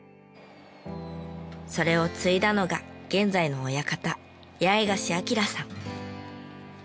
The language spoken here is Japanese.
それを継いだのが現在の親方八重樫亮さん。